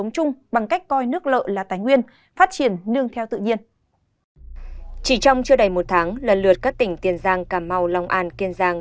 chỉ trong chưa đầy một tháng lần lượt các tỉnh tiền giang cà mau long an kiên giang